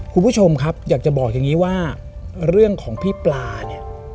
คุณผู้ชมครับอยากจะบอกอย่างนี้ว่าเรื่องของพี่ปลาเนี่ย